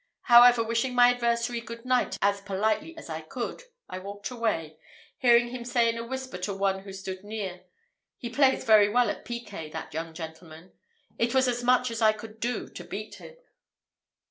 However wishing my adversary good night as politely as I could, I walked away, hearing him say in a whisper to one who stood near, "He plays very well at piquet, that young gentleman. It was as much as I could do to beat him."